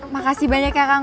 makasih banyak ya kang